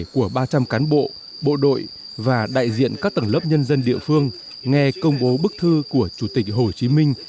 của ba trăm linh cán bộ bộ đội và đại diện các tầng lớp nhân dân địa phương nghe công bố bức thư của chủ tịch hồ chí minh